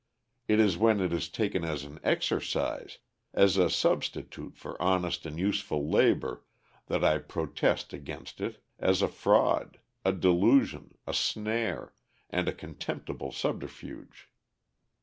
It is when it is taken as an "exercise," as a substitute for honest and useful labor, that I protest against it, as a fraud, a delusion, a snare, and a contemptible subterfuge.